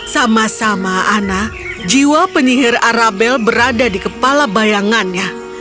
sama sama ana jiwa penyihir arabel berada di kepala bayangannya